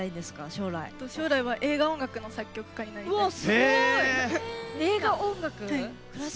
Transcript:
将来は映画音楽の作曲家になりたいです。